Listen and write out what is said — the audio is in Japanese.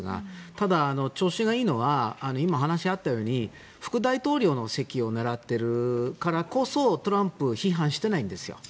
ただ、調子がいいのは今、話にあったように副大統領の席を狙っているからこそトランプを批判していないんです。